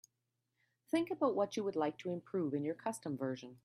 Think about what you would like to improve in your custom version.